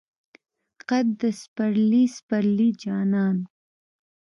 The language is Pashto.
قد د سپرلی، سپرلی جانان